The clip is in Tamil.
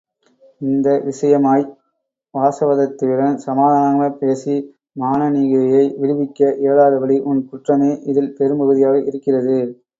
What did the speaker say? இந்த விஷயமாய் வாசவதத்தையுடன் சமாதானமாகப் பேசி மானனீகையை விடுவிக்க இயலாதபடி உன் குற்றமே இதில் பெரும்பகுதியாக இருக்கிறது!